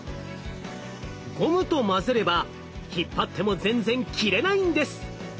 ゴムと混ぜれば引っ張っても全然切れないんです。